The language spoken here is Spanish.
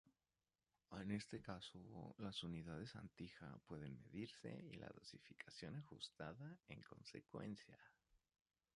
En este caso, las unidades anti-Xa pueden medirse y la dosificación ajustada en consecuencia.